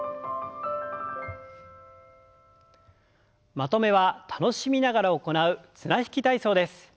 まとめは楽しみながら行う綱引き体操です。